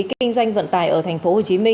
kinh doanh vận tài ở tp hcm